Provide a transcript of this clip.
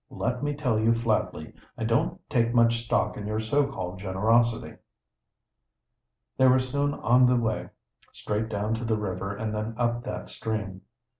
"Let me tell you flatly, I don't take much stock in your so called generosity." They were soon on the way, straight down to the river and then up that stream.